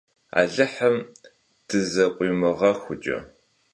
Алыхьым дызэкъуимыгъэхукӏэ!